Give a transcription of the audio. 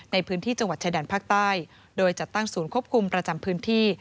ในพื้นที่จังหวัดชายแดนภาคใต้โดยจัดตั้งศูนย์ควบคุมประจำพื้นที่